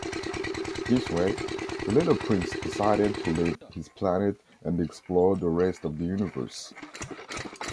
This way, the Little Prince decided to leave his planet and explore the rest of the universe.